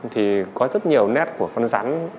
thì có rất nhiều nét của con rắn